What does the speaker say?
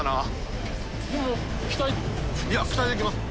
いや期待できます。